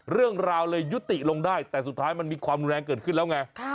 เรื่องราวเลยยุติลงได้แต่สุดท้ายมันมีความรุนแรงเกิดขึ้นแล้วไง